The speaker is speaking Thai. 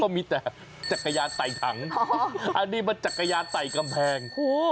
มีแต่จักรยานใส่ถังอันนี้มันจักรยานใส่กำแพง